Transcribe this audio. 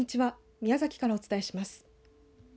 宮崎からお伝えします。